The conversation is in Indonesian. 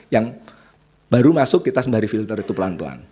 yang baru masuk kita sembari filter itu pelan pelan